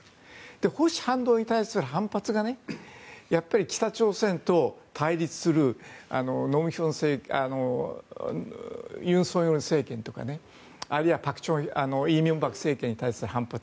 保守反動に対する反発が北朝鮮と対立する尹錫悦政権とかあるいは李明博政権に対する反発